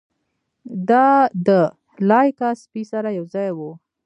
دا د لایکا سپي سره یوځای و.